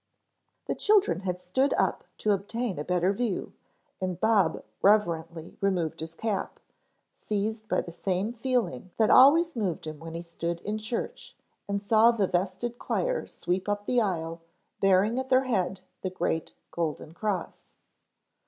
The children had stood up to obtain a better view and Bob reverently removed his cap, seized by the same feeling that always moved him when he stood in church and saw the vested choir sweep up the aisle bearing at their head the great golden cross.